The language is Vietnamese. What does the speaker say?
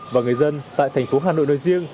và người dân tại thành phố hà nội nơi riêng